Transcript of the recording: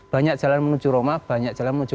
banyak jalan menuju roma banyak jalan menuju